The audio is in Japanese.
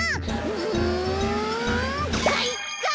うんかいか！」